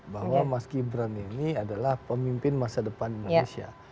bahwa mas gibran ini adalah pemimpin masa depan indonesia